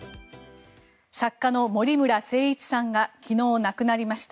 作家の森村誠一さんが昨日、亡くなりました。